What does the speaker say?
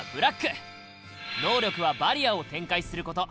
能力はバリアを展開すること。